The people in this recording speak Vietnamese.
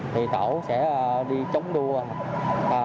thì tổ sẽ đi chống đua